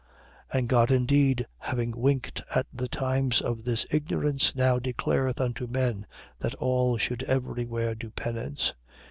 17:30. And God indeed having winked at the times of this ignorance, now declareth unto men that all should every where do penance.